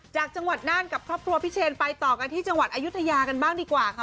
จากจังหวัดน่านกับครอบครัวพี่เชนไปต่อกันที่จังหวัดอายุทยากันบ้างดีกว่าค่ะ